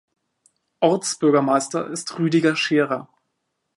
Ortsbürgermeister ist Rüdiger Scherer.